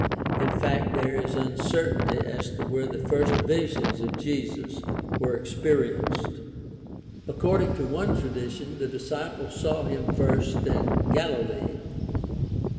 In fact, there is uncertainty as to where the first visions of Jesus were experienced. According to one tradition the disciples saw him first in GaUlee (Matt. 28:10, 16 20; cf.